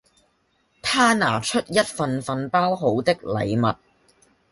他拿出一份份包好的禮物